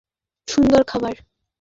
কত সুন্দর সুন্দর খাবার!